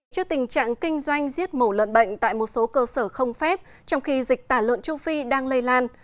trước tình trạng kinh doanh giết mổ lợn bệnh tại một số cơ sở không phép trong khi dịch tả lợn châu phi đang lây lan